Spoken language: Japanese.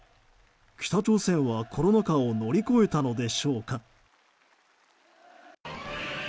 北朝鮮はコロナ禍を乗り越えたのでしょうか。